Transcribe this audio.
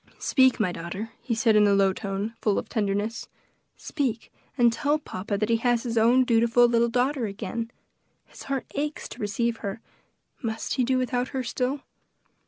"Speak, my daughter," he said in a low tone, full of tenderness; "speak, and tell papa that he has his own dutiful little daughter again. His heart aches to receive her; must he do without her still?"